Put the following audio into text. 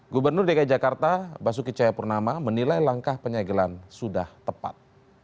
gubernur dki jakarta basuki cahayapurnama menilai langkah penyegelan sudah tepat